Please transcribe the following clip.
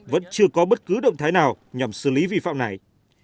vẫn chưa có bất cứ động thái nào nhằm xử lý vi phạm này